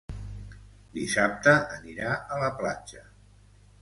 Dissabte anirà a la platja.